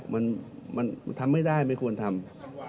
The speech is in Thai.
มันทำไม่ได้ไม่ควรทำ